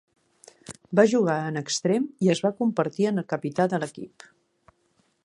Va jugar en extrem i es va convertir en el capità de l'equip.